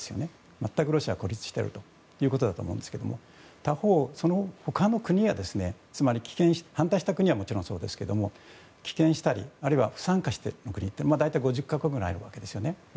全くロシアが孤立しているということだと思うんですけど他方、その他の国は反対した国はもちろんそうですけど棄権したりあるいは不参加の国というのは５０か国ぐらいあるわけですね。